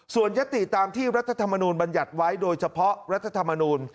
ส่วนยติตามที่รัฐธรรมนูลบัญญัติไว้โดยเฉพาะรัฐธรรมนูล